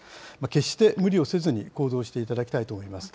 決して無理をせずに行動していただきたいと思います。